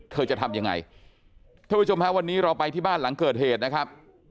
เธอจะทำยังไงท่านผู้ชมฮะวันนี้เราไปที่บ้านหลังเกิดเหตุนะครับ